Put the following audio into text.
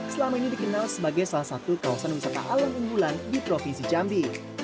selama ini dikenal sebagai salah satu kawasan wisata alam unggulan di provinsi jambi